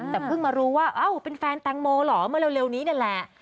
แต่เพิ่งมารู้ว่าเป็นแฟนแตงโมหรอมาเร็วนี้นี่แหละ